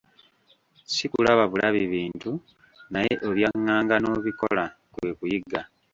Ssi kulaba bulabi bintu, naye obyanganganga n'obikola, kwe kuyiga.